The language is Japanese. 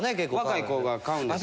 若い子が買うんですよ。